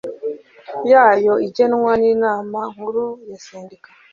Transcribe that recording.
yayo igenwa n inama nkuru ya sendika